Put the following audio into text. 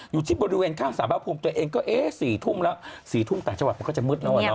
อยู่ที่บริเวณข้างสารพระภูมิตัวเองก็เอ๊ะ๔ทุ่มแล้ว๔ทุ่มต่างจังหวัดมันก็จะมืดแล้วอะเนาะ